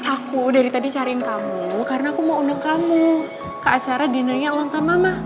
aku dari tadi cariin kamu karena aku mau undang kamu ke acara dinanya ulang tahun mama